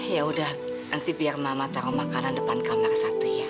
yaudah nanti biar mama taruh makanan depan kamar satria